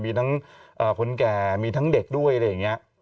มีทั้งคนแก่มีทั้งเด็กด้วยอะไรอย่างนี้